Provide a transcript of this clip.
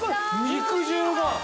肉汁が！